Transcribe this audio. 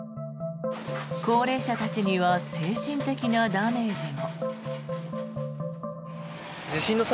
高齢者たちには精神的なダメージも。